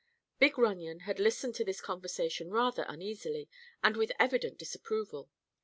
Big Runyon had listened to this conversation rather uneasily and with evident disapproval.